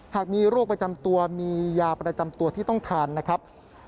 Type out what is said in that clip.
หากมีโรคประจำตัวมียาประจำตัวที่ต้องทานนะครับ